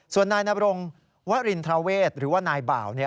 ส่วนนายนบรงวรินทราเวศหรือว่านายบ่าว